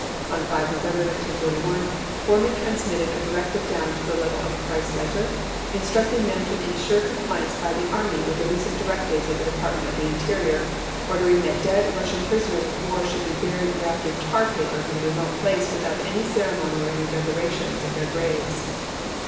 On 5 November 1941 Bormann transmitted a directive down to the level of Kreisleiter instructing them to insure compliance by the Army with the recent directives of the Department of the Interior ordering that dead Russian prisoners of war should be buried wrapped in tar paper in a remote place without any ceremony or any decorations of their graves.